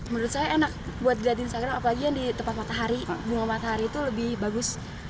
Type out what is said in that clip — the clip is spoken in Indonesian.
menurut saya enak buat dilihat di instagram apalagi yang di tempat matahari bunga matahari itu lebih bagus